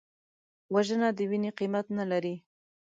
وژنه د وینې قیمت نه لري